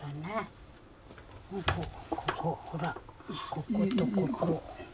こことここ。